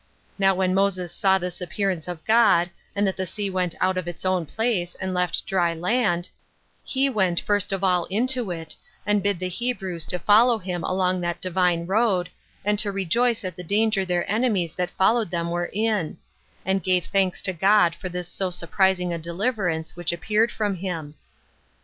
Now when Moses saw this appearance of God, and that the sea went out of its own place, and left dry land, he went first of all into it, and bid the Hebrews to follow him along that divine road, and to rejoice at the danger their enemies that followed them were in; and gave thanks to God for this so surprising a deliverance which appeared from him.